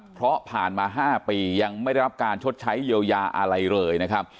เพราะผ่านมา๕ปียังไม่ได้รับการชดใช้เยียวยาอะไรเลยนะครับ